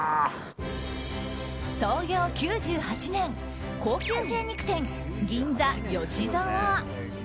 創業９８年高級精肉店、銀座吉澤。